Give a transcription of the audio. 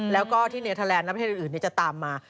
แล้วก็ที่เนเทอร์แลนดและประเทศอื่นจะตามมา